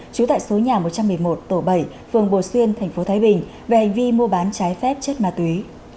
chú tại số nhà một trăm một mươi một tổ bảy phường bồ xuyên tp thái bình về hành vi mua bán trái phép chất ma túy